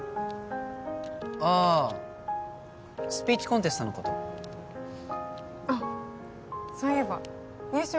ああスピーチコンテストのことあっそういえば優勝